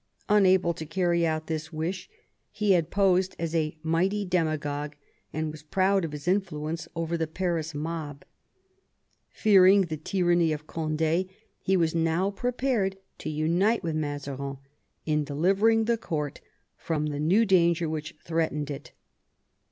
Unable to carry out this wish, he had posed as a mighty demagogue, and was proud of his influence over the Paris mob. Fearing the tyranny of Cond^, he was now prepared to unite with Mazarin in delivering the court from the new danger which threatened it.